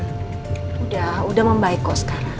udah udah membaik kok sekarang